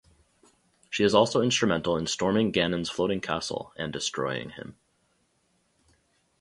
She is also instrumental in storming Ganon's floating castle and destroying him.